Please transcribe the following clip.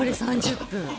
３０分。